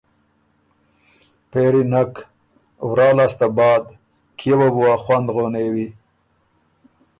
پېري نک ـــ ورا لاسته بعد ـــ کيې وه بو ا خوند غونېوی